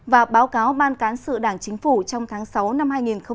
và báo cáo ban cán sự đảng chính phủ trong tháng sáu năm hai nghìn một mươi chín